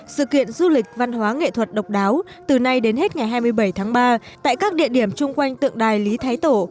sự kiện du lịch văn hóa nghệ thuật độc đáo từ nay đến hết ngày hai mươi bảy tháng ba tại các địa điểm chung quanh tượng đài lý thái tổ